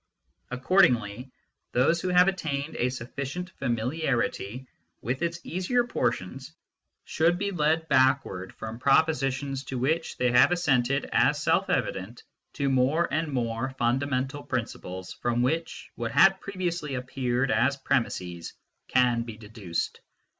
Accordingly those who have attained a sufficient familiarity with its easier portions should be led backward from propositions to which they have assented as self evident to more and more fundamental principles from which what had previously appeared as premises can be deduced.